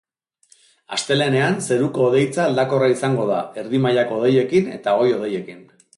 Astelehenean zeruko hodeitza aldakorra izango da, erdi mailako hodeiekin eta goi-hodeiekin.